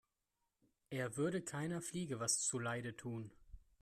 Er würde keiner Fliege was zu Leide tun.